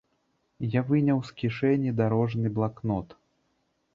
Я выняў з кішэні дарожны блакнот.